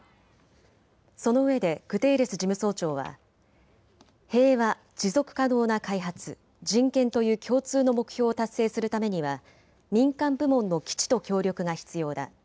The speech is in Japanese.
そのうえでグテーレス事務総長は平和、持続可能な開発、人権という共通の目標を達成するためには民間部門の機知と協力が必要だ。